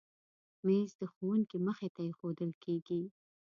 مېز د ښوونکي مخې ته ایښودل کېږي.